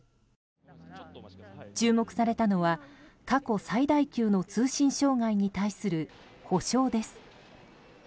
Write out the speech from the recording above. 注目されたのは過去最大級の通信障害に対する補償です。